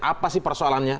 apa sih persoalannya